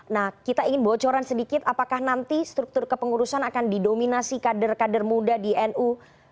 nah kita ingin bocoran sedikit apakah nanti struktur kepengurusan akan didominasi kader kader muda di nu